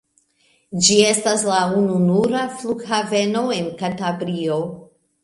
Ĝi estas la ununura flughaveno en Kantabrio.